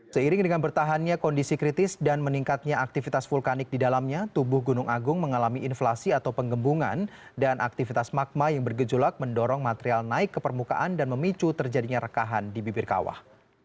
seiring dengan bertahannya kondisi kritis dan meningkatnya aktivitas vulkanik di dalamnya tubuh gunung agung mengalami inflasi atau penggembungan dan aktivitas magma yang bergejolak mendorong material naik ke permukaan dan memicu terjadinya rekahan di bibir kawah